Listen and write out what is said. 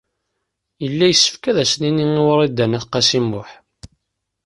Yella yessefk ad as-nini i Wrida n At Qasi Muḥ.